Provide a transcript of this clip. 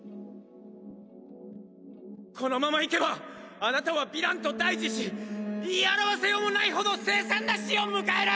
このままいけばあなたはヴィランと対峙し言い表せようもない程凄惨な死を迎える！